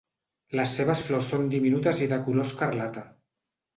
Les seves flors són diminutes i de color escarlata.